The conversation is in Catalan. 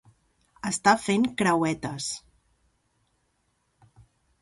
Estar fent creuetes.